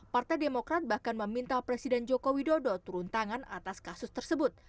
partai demokrat bahkan meminta presiden joko widodo turun tangan atas kasus tersebut